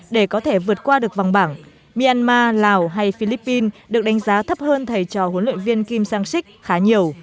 để có thể vượt qua được vòng bảng myanmar lào hay philippines được đánh giá thấp hơn thầy trò huấn luyện viên kim sang sik khá nhiều